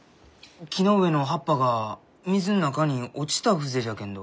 木の上の葉っぱが水の中に落ちた風情じゃけんど。